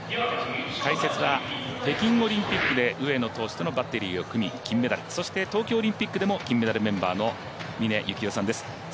解説は北京オリンピックで上野投手とのバッテリーを組み、金メダル、そして東京オリンピックでも金メダルメンバーの峰幸代さんです。